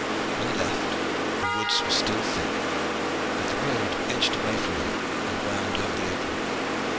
On the left the woods were still thick, but the road edged away from them and wound over the open.